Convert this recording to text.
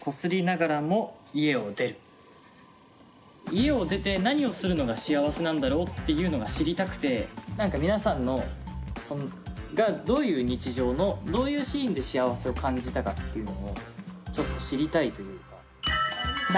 家を出て何をするのが幸せなんだろうっていうのが知りたくて何か皆さんがどういう日常のどういうシーンで幸せを感じたかっていうのをちょっと知りたいというか。